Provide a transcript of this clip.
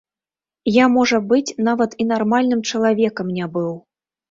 Я можа быць, нават і нармальным чалавекам не быў.